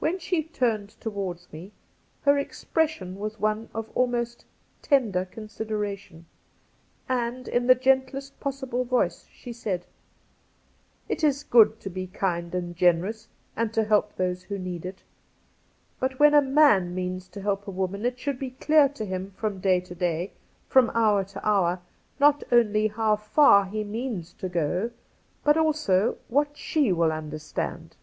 When she turned towards me her expression was one of almost tender consideration, and in the gentlest possible voice she said :' It is good to be kind and generous, and to help those who need it ; but when a man means to help a woman it should be clear to him from day to day, from hour to hour, not only how far he means to go, but also what she will understand.'